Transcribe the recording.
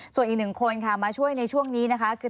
ส่วนอีกหนึ่งคนมาช่วยในช่วงนี้คือ